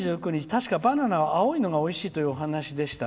確か、バナナは青いのがおいしいという話でした。